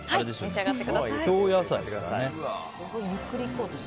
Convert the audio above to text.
京野菜ですからね。